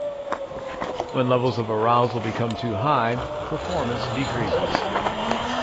When levels of arousal become too high, performance decreases.